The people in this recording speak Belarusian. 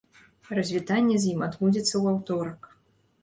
Развітанне з ім адбудзецца ў аўторак.